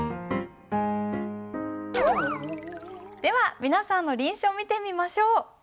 では皆さんの臨書見てみましょう。